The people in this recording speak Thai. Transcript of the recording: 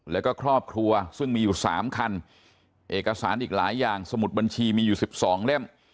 แล้วก็ครอบครัวซึ่งมีอยู่๓คันเอกสารอีกหลายอย่างสมุดบัญชีมีอยู่๑๒เล่ม